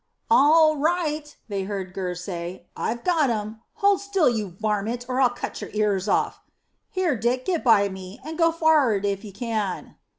"All right!" they heard Gurr say. "I've got him. Hold still, you varmint, or I'll cut your ears off. Here, Dick, get by me, and go forrard if you can."